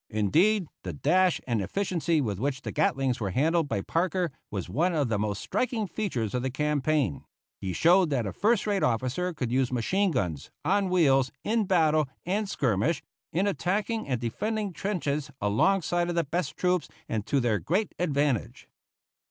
Indeed, the dash and efficiency with which the Gatlings were handled by Parker was one of the most striking features of the campaign; he showed that a first rate officer could use machine guns, on wheels, in battle and skirmish, in attacking and defending trenches, alongside of the best troops, and to their great advantage.